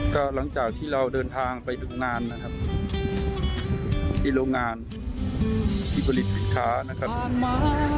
ก็หลังจากที่เราเดินทางไปดูงานนะครับที่โรงงานที่ผลิตสินค้านะครับ